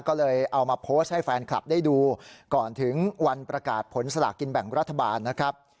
ก็เลยเอามาโพสต์ให้แฟนคลับได้ดูก่อนถึงวันประกาศผลสลากินแบ่งรัฐบาลนะครับ